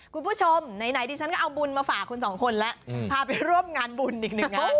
คุณผู้ชมไหนดิฉันก็เอาบุญมาฝากคุณสองคนแล้วพาไปร่วมงานบุญอีกหนึ่งงาน